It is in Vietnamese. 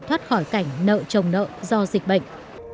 thoát khỏi cảnh nợ chồng nợ do dịch bệnh